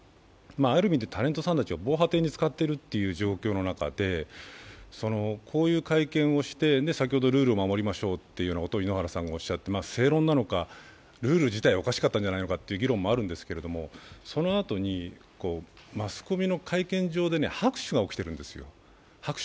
ある意味でタレントさんたちを防波堤に使っているという状況の中で、こういう会見をして、先ほどルールを守りましょうと井ノ原さんが言って正論なのかルール自体もおかしかったんじゃないかということもありますがそのあとに、マスコミの会見場で拍手が起きてるんですよ。